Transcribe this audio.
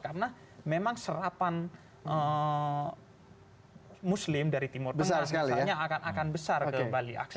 karena memang serapan muslim dari timur tengah akan besar ke bali